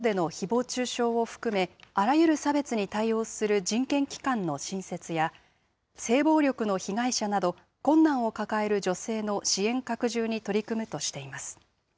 さらに、インターネットでのひぼう中傷を含め、あらゆる差別に対応する人権機関の新設や、性暴力の被害者など、困難を抱える女性の支援拡充に取り組むとしています。